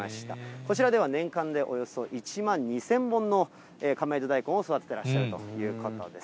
こちらでは、年間でおよそ１万２０００本の亀戸大根を育ててらっしゃるということです。